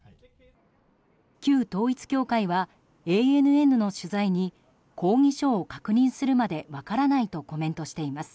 旧統一教会はＡＮＮの取材に抗議書を確認するまで分からないとコメントしています。